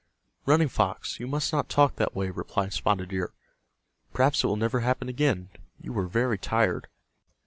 "Running Fox, you must not talk that way," replied Spotted Deer. "Perhaps it will never happen again. You were very tired."